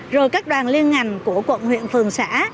rồi các đoàn liên ngành của quận huyện phường xã